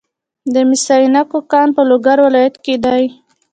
د مس عینک کان په لوګر ولایت کې دی.